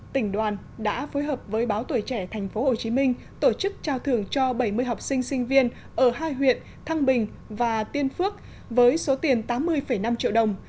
tỉnh đoàn đã phối hợp với báo tuổi trẻ tp hcm tổ chức trao thưởng cho bảy mươi học sinh sinh viên ở hai huyện thăng bình và tiên phước với số tiền tám mươi năm triệu đồng